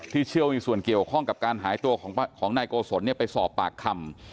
ที่เชื่อวิวส่วนเกี่ยวข้องกับการหายตัวของของนายโกศลเนี่ยไปสอบปากคำ